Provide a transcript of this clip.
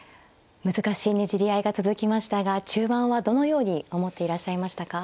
難しいねじり合いが続きましたが中盤はどのように思っていらっしゃいましたか。